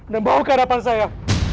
dan bawa ke hadapan saya